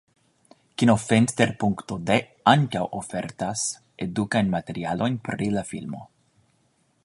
Kinofenster.de ankaŭ ofertas edukajn materialojn pri la filmo.